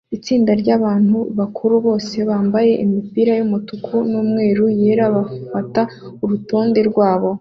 Itsinda ryabantu bakuru bose bambaye imipira yumutuku numweru yera bifata urutonde rwabo